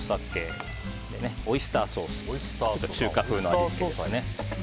オイスターソース中華風の味付けですね。